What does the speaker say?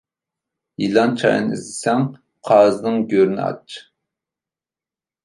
يىلان-چايان ئىزدىسەڭ، قازىنىڭ گۆرىنى ئاچ.